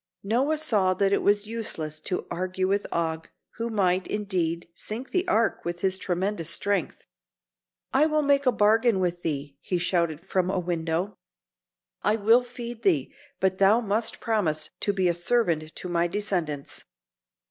Noah saw that it was useless to argue with Og, who might, indeed, sink the Ark with his tremendous strength. "I will make a bargain with thee," he shouted from a window. "I will feed thee, but thou must promise to be a servant to my descendants."